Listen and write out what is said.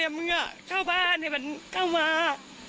มึงเข้าบ้านให้มันเข้ามา